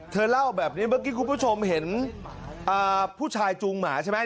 เล่าแบบนี้เมื่อกี้คุณผู้ชมเห็นผู้ชายจูงหมาใช่ไหม